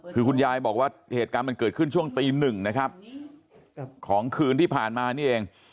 คือคุณยายบอกว่าเหตุการณ์มันเกิดขึ้นช่วงตีหนึ่งนะครับของคืนที่ผ่านมานี่เอง